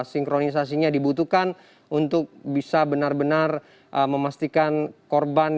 sinkronisasinya dibutuhkan untuk bisa benar benar memastikan korban